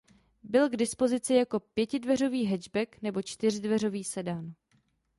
Byl k dispozici jako pětidveřový hatchback nebo čtyřdveřový sedan.